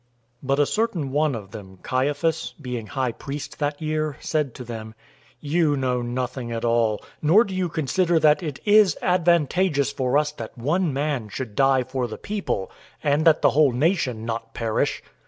011:049 But a certain one of them, Caiaphas, being high priest that year, said to them, "You know nothing at all, 011:050 nor do you consider that it is advantageous for us that one man should die for the people, and that the whole nation not perish."